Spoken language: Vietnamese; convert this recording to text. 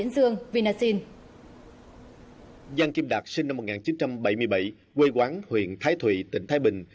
giang kim đạt sinh năm một nghìn chín trăm bảy mươi bảy quê quán huyện thái thụy tỉnh thái bình